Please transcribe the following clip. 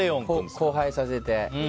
交配させて。